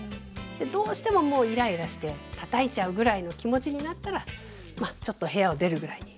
どうしてもイライラしてたたいちゃうぐらいの気持ちになったらまあちょっと部屋を出るぐらいに。